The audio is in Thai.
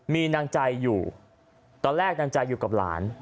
มีนางใจอยู่ตอนแรกนางใจอยู่กับหลาน